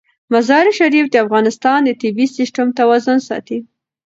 مزارشریف د افغانستان د طبعي سیسټم توازن ساتي.